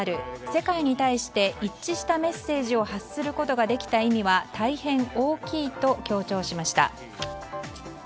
世界に対して一致したメッセージを発することができた意味は大変大きいと強調しました。